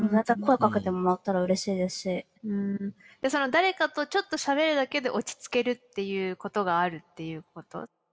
誰かとちょっとしゃべるだけで落ち着けるっていうことがあるっていうこと？